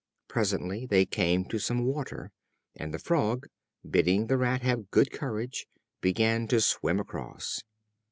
Presently they came to some water, and the Frog, bidding the Rat have good courage, began to swim across.